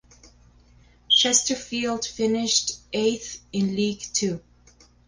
Chesterfield finished eighth in League Two.